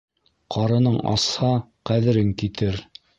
Ҡарының асһа ҡәҙерең китер.